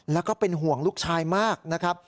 แล้วก็เป็นห่วงลูกชายมากนะครับ